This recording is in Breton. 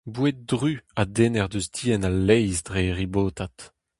Boued druz a denner eus dienn al laezh dre e ribotat.